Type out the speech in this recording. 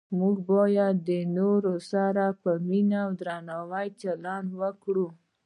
موږ باید د نورو سره په مینه او درناوي چلند وکړو